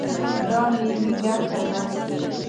دا ملي ګټه ده.